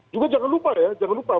juga jangan lupa ya jangan lupa